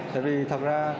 tại vì thật ra